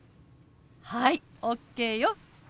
はいＯＫよ。